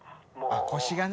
腰がね。